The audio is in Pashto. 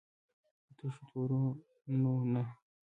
په تشو تورونو نه.